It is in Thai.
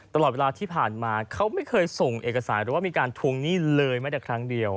ตลอดเวลาที่ผ่านมาเขาไม่เคยส่งเอกสารหรือว่ามีการทวงหนี้เลยแม้แต่ครั้งเดียว